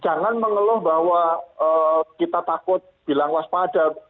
jangan mengeluh bahwa kita takut bilang waspada